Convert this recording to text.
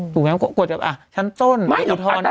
ถูกหรือไม่ก็ปรวจิดแบบอ่ะชั้นต้นหรือท้อนอีก